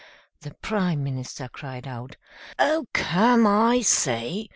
The Prime Minister cried out, "Oh, come, I say!